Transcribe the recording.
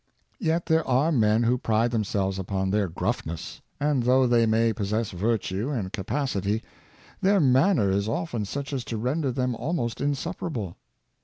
Yet there are men who pride themselves upon their gruffness; and though they may possess virtue and capacity, their manner is often such as to render them almost insupportable.